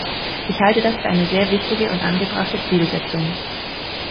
Ich halte das für eine sehr wichtige und angebrachte Zielsetzung.